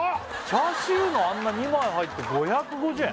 チャーシューのあんな２枚入って５５０円？